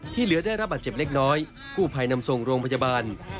เหลือได้รับบาดเจ็บเล็กน้อยกู้ภัยนำส่งโรงพยาบาล